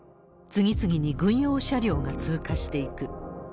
次々に軍用車両が通過していく。